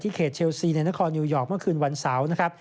ที่เขตเชลซีในนครนิวยอร์กเมื่อคืนวันเสาร์